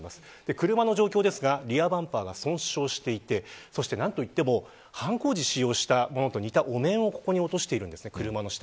車の状況ですがリアバンパーが損傷していて犯行時に使用したものと似たお面をここに落としています。